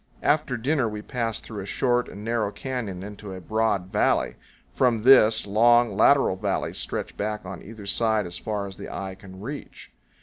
After dinner we pass through a short and narrow canyon into a broad valley; from this, long, lateral valleys stretch back on either side as far as the eye can reach.